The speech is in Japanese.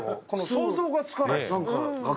想像がつかない。